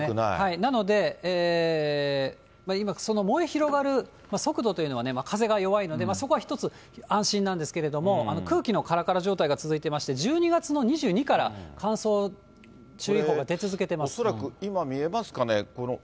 なので、今、その燃え広がる速度というのは風が弱いので、そこは一つ安心なんですけれども、空気のからから状態が続いてまして、１２月の２２から、恐らく今、見えますかね。